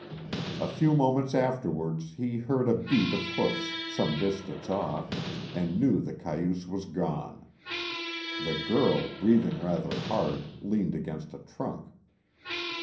A few moments afterwards he heard a beat of hoofs, some distance off, and knew the cayuse was gone. The girl, breathing rather hard, leaned against a trunk.